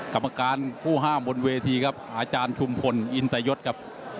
กรรมการผู้ห้ามบนเวทีครับอาจารย์ชุมพลอินตยศครับ